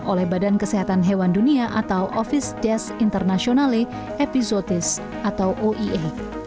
oleh badan kesehatan hewan dunia atau office des internationale epizotis atau oie